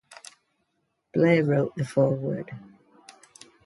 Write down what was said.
Blair wrote the foreword.